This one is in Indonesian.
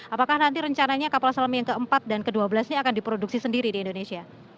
apakah nanti rencananya kapal selam yang keempat dan ke dua belas ini akan diproduksi sendiri di indonesia